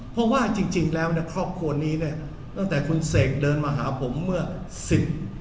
เพราะว่าจริงจริงแล้วเนี่ยครอบครัวนี้เนี่ยตั้งแต่คุณเสกเดินมาหาผมเมื่อสิบ